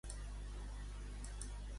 Què va concloure Xaneta sobre la seva temor?